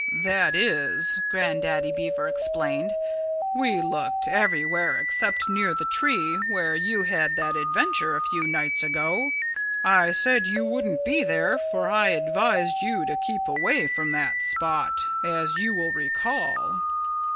"That is," Grandaddy Beaver explained, "we looked everywhere except near the tree where you had that adventure a few nights ago. I said you wouldn't be there, for I advised you to keep away from that spot, as you will recall."